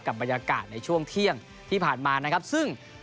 บรรยากาศในช่วงเที่ยงที่ผ่านมานะครับซึ่ง